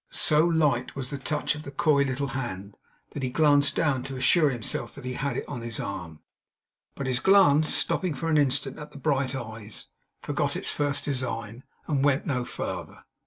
So light was the touch of the coy little hand, that he glanced down to assure himself he had it on his arm. But his glance, stopping for an instant at the bright eyes, forgot its first design, and went no farther.